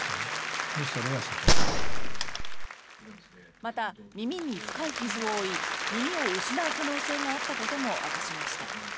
また、耳に深い傷を負い耳を失う可能性があったことも明かしました。